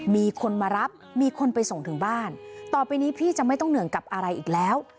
มีคนมารับมีคนไปส่งถึงบ้านต่อไปนี้พี่จะไม่ต้องเหนื่อยกับอะไรอีกแล้ว